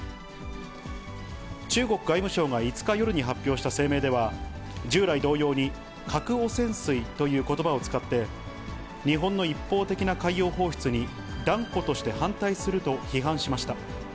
中国外務省が５日夜に発表した声明では、従来同様に核汚染水ということばを使って、日本の一方的な海洋放出に、断固として反対すると批判しました。